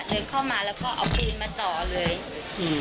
เดินเข้ามาแล้วก็เอาปีนมาจ่อเลยอืม